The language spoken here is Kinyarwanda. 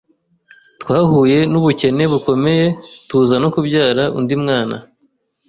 twahuye n’ubukene bukomeye tuza no kubyara undi mwana